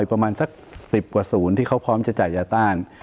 ประมาณสัก๑๐กว่าศูนย์ที่เขาพร้อมจะจ่ายยาต้าน